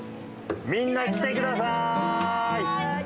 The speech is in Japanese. みんな来てください。